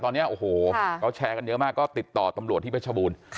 ตอนนี้โอ้โหเขาแชร์กันเยอะมากก็ติดต่อตำรวจที่เพชรบูรณ์